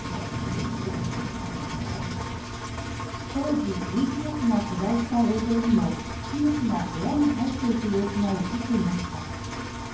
当時、ＴＢＳが取材した映像にも、キム氏が部屋に入っていく様子が映っていました。